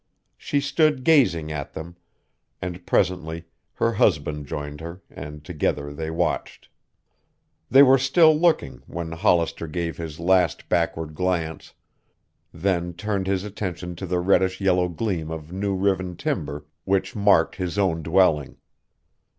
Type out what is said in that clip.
She stood gazing at them, and presently her husband joined her and together they watched. They were still looking when Hollister gave his last backward glance, then turned his attention to the reddish yellow gleam of new riven timber which marked his own dwelling.